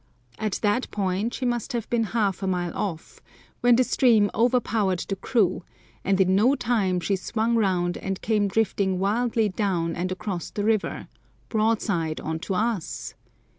At that point she must have been half a mile off, when the stream overpowered the crew and in no time she swung round and came drifting wildly down and across the river, broadside on to us.